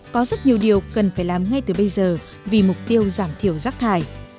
có rất nhiều điều cần phải làm ngay từ bây giờ vì mục tiêu giảm thiểu rác thải